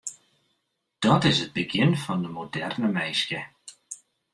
Dat is it begjin fan de moderne minske.